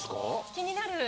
気になる。